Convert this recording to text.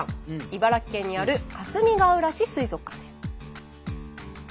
茨城県にあるかすみがうら市水族館です。